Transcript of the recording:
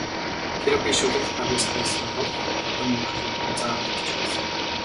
Хэрэв би шүлэглэх авьяастай сан бол хэдэн мөр юм заавал бичих байсан.